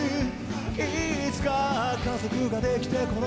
「いつか家族ができて子供にも」